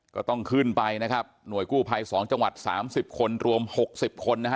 ก็ต้องขึ้นไปนะครับหน่วยกู้ภัย๒จังหวัด๓๐คนรวม๖๐คนนะฮะ